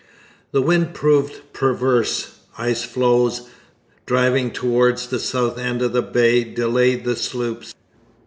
The wind proved perverse. Icefloes, driving towards the south end of the Bay, delayed the sloops.